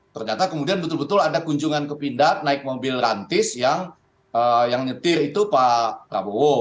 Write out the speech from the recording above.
ternyata kemudian betul betul ada kunjungan ke pindad naik mobil rantis yang nyetir itu pak prabowo